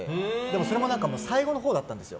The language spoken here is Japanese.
それも最後のほうだったんですよ。